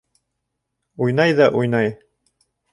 Уйнай ҙа уйнай.